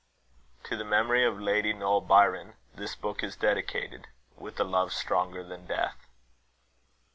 TO THE MEMORY OF LADY NOEL BYRON, THIS BOOK IS DEDICATED, WITH A LOVE STRONGER THAN DEATH.